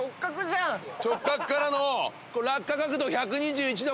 直角からの落下角度１２１度